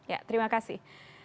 ya terima kasih